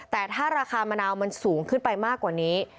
แต่ถ้าราคามะนาวมันสูงขึ้นไปมากกว่านี้